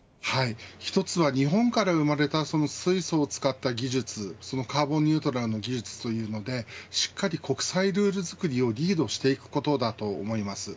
１つは日本から生まれた水素を使った技術そのカーボンニュートラルの技術ということでしっかり国際ルールづくりをリードしていくことです。